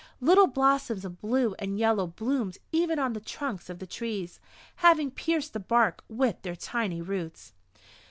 Little blossoms of blue and yellow bloomed even on the trunks of the trees, having pierced the bark with their tiny roots.